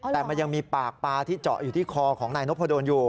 แต่มันยังมีปากปลาที่เจาะอยู่ที่คอของนายนพดลอยู่